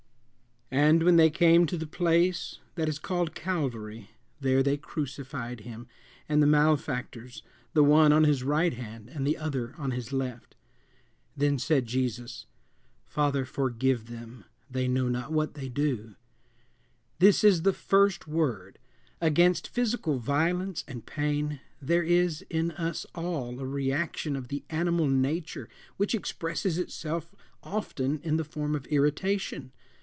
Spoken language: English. "And when they came to the place that is called Calvary, there they crucified him and the malefactors, the one on his right hand and the other on his left. Then said Jesus, Father, forgive them; they know not what they do." This is the first word. Against physical violence and pain there is in us all a reaction of the animal nature which expresses itself often in the form of irritation.